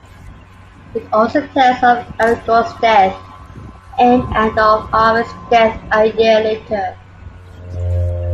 It also tells of Aragorn's death in and of Arwen's death a year later.